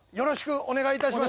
お願いします。